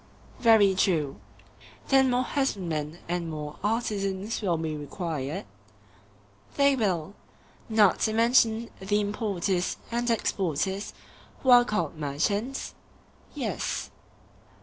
Very true. Then more husbandmen and more artisans will be required? They will. Not to mention the importers and exporters, who are called merchants? Yes.